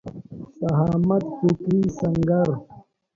شهامت فکري سنګر